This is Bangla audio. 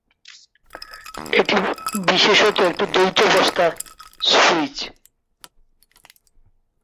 এটি বিশেষত একটি দ্বৈত অবস্থার সুইচ।